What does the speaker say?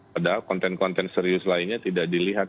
karena konten konten serius lainnya tidak dilihat